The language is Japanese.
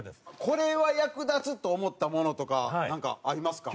これは役立つと思ったものとかなんかありますか？